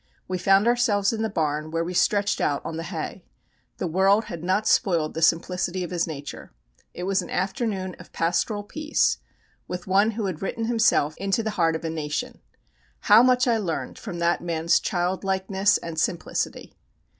We found ourselves in the barn, where we stretched out on the hay. The world had not spoiled the simplicity of his nature. It was an afternoon of pastoral peace, with one who had written himself into the heart of a nation. How much I learned from that man's childlikeness and simplicity!